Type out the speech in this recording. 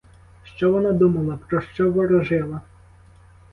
Що вона думала, про що ворожила?